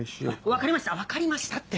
分かりました分かりましたって。